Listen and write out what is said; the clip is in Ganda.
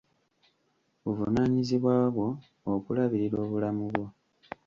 Buvunaanyizibwa bwo okulabirira obulamu bwo.